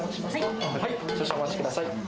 少々お待ちください。